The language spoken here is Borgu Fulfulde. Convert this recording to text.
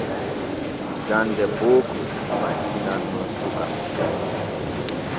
Jande booko majjinan nun suka.